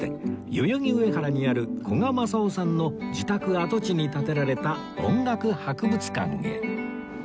代々木上原にある古賀政男さんの自宅跡地に建てられた音楽博物館へ